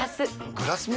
グラスも？